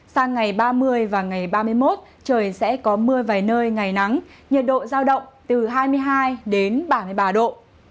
sang ngày ba mươi và ngày ba mươi một trời sẽ có mưa vài nơi ngày nắng nhiệt độ giao động từ hai mươi hai đến ba mươi ba độ